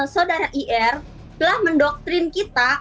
saudara ir telah mendoktrin kita